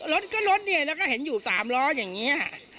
รถก็รถเนี่ยแล้วก็เห็นอยู่๓ล้ออย่างนี้